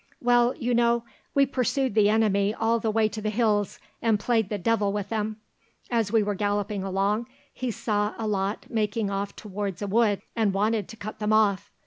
"Well, you know, we pursued the enemy all the way to the hills and played the devil with them. As we were galloping along, he saw a lot making off towards a wood, and wanted to cut them off.